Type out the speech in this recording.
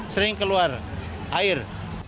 sering keluar air